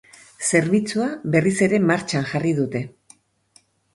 Zerbitzua berriz ere martxan jarri dute.